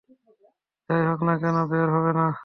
যাই হোক না কেন, বের হবে না।